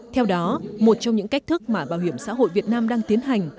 theo đó một trong những cách thức mà bảo hiểm xã hội việt nam đang tiến hành